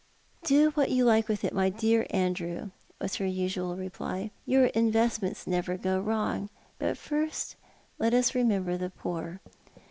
" Do what you like with it, my dear Andrew," was her usual reply; "your investments never go wrong; but first let us rememlx^r the jxxtr."